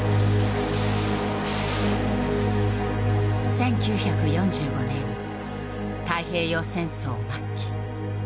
１９４５年、太平洋戦争末期。